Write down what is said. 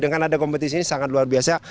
dengan ada kompetisi ini sangat luar biasa